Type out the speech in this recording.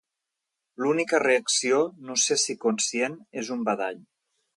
L'única reacció, no sé si conscient, és un badall.